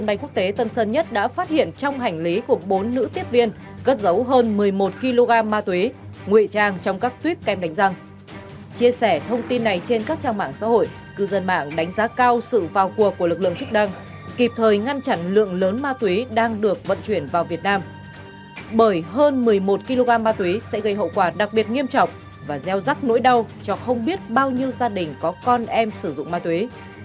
bởi hơn một mươi một kg ma tuyến sẽ gây hậu quả đặc biệt nghiêm trọng và gieo rắc nỗi đau cho không biết bao nhiêu gia đình có con em sử dụng ma tuyến